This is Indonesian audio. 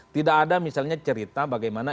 tidak ada misalnya cerita bagaimana